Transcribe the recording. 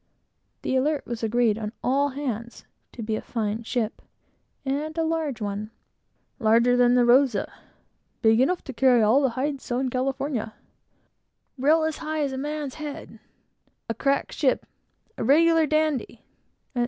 The Alert was agreed on all hands to be a fine ship, and a large one: "Larger than the Rosa" "Big enough to carry off all the hides in California" "Rail as high as a man's head" "A crack ship" "A regular dandy," etc.